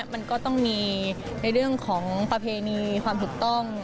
มันก็ต้องมีในเรื่องของประเพณีความถูกต้อง